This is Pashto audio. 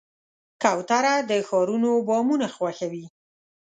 کوتره د ښارونو بامونه خوښوي.